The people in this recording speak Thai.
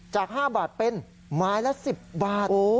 จาก๕บาทเป็นไม้ละ๑๐บาท